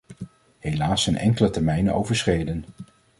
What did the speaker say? Helaas zijn enkele termijnen overschreden.